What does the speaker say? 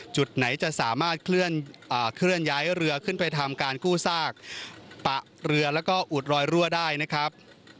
จุดไหนจะสามารถเคลื่อนย้ายเรือขึ้นไปทำการกู้ซากปะเรือแล้วก็อุดรอยรั่วได้นะครับ